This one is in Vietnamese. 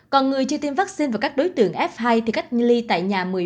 còn người chưa tiêm vaccine và các đối tượng f hai thì cách ly tại nhà một mươi bốn